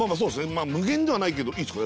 まあ無限ではないけどいいですか？